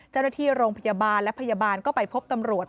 เจ้าหน้าที่โรงพยาบาลและพยาบาลก็ไปพบตำรวจ